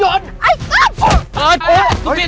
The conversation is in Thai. ฉันจะตัดพ่อตัดลูกกับแกเลย